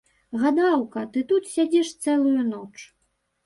Гадаўка, ты тут сядзіш цэлую ноч.